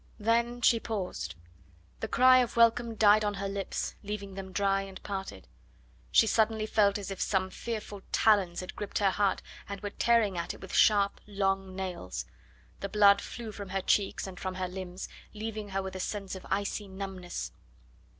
Then she paused. The cry of welcome died on her lips, leaving them dry and parted. She suddenly felt as if some fearful talons had gripped her heart and were tearing at it with sharp, long nails; the blood flew from her cheeks and from her limbs, leaving her with a sense of icy numbness.